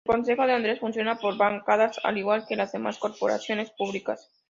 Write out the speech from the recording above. El Concejo de Andes funciona por bancadas, al igual que las demás corporaciones públicas.